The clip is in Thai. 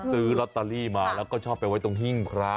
ซื้อลอตเตอรี่มาแล้วก็ชอบไปไว้ตรงหิ้งพระ